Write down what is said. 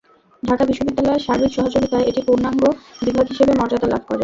ঢাকা বিশ্ববিদ্যালয়ের সার্বিক সহযোগিতায় এটি পূর্ণাঙ্গ বিভাগ হিসেবে মর্যাদা লাভ করে।